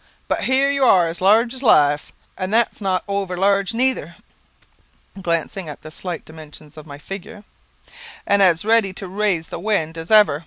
But here you are as large as life and that's not over large neither, (glancing at the slight dimensions of my figure,) and as ready to raise the wind as ever.